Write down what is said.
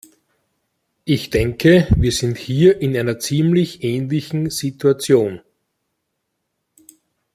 Ich denke, wir sind hier in einer ziemlich ähnlichen Situation.